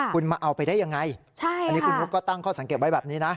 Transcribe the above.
คุณมาเอาไปได้ยังไงอันนี้คุณนุ๊กก็ตั้งข้อสังเกตไว้แบบนี้นะ